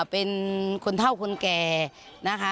เป็นคนเท่าคนแก่นะคะ